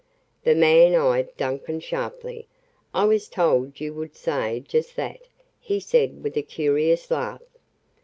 The man eyed Duncan sharply. "I was told you would say just that," he said with a curious laugh.